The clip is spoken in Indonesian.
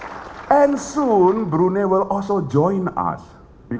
dan segera brunei juga akan bergabung